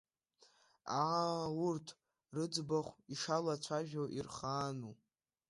Аа, урҭ рыӡбахә ишалацәажәо ирхаану!